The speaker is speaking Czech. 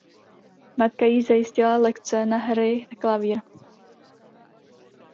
Matka jí zajistila lekce na hry klavír.